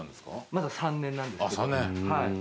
まだ３年なんですけど。